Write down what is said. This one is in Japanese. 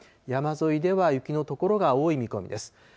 山沿いでは雪の所が多い見込みです。